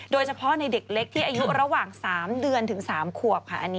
โดยเฉพาะในเด็กเล็กที่อายุระหว่าง๓เดือนถึง๓ขวบค่ะ